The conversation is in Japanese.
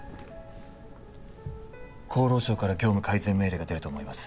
厚労省から業務改善命令が出ると思います